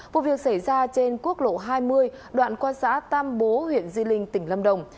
vụ việc xảy ra trên quốc lộ hai mươi đoạn qua xã tam bố huyện di linh tỉnh lâm đồng